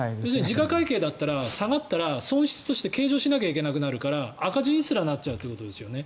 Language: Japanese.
時価会計だったら下がったら損失として計上しなきゃいけなくなるから赤字にすらなるっていうことですよね。